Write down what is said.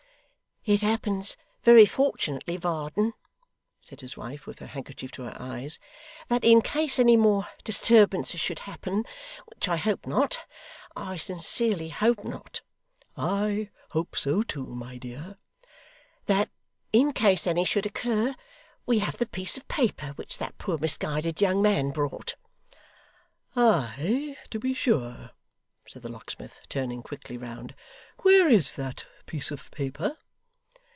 'It happens very fortunately, Varden,' said his wife, with her handkerchief to her eyes, 'that in case any more disturbances should happen which I hope not; I sincerely hope not ' 'I hope so too, my dear.' ' That in case any should occur, we have the piece of paper which that poor misguided young man brought.' 'Ay, to be sure,' said the locksmith, turning quickly round. 'Where is that piece of paper?